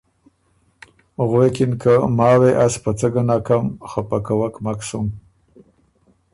غوېکِن که ”ماوې از په څۀ ګه نکم، خپه کوک مک سُن“